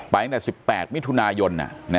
ตั้งแต่๑๘มิถุนายน